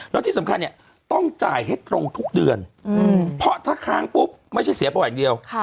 แล้วที่สำคัญเนี่ยต้องจ่ายให้ตรงทุกเดือนเพราะถ้าค้างปุ๊บไม่ใช่เสียประวัติอย่างเดียว